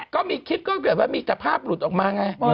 ก็มีคลิปก็แบบว่ามีแต่ภาพหลุดออกมาไง